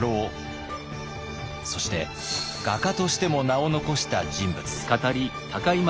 そして画家としても名を残した人物。